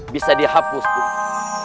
bisa dihapus guru